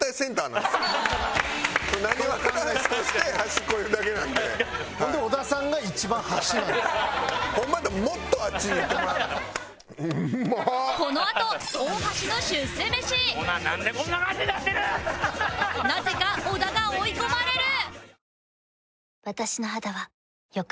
なぜか小田が追い込まれる